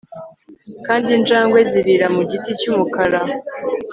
kandi injangwe zirira mu giti cyumukara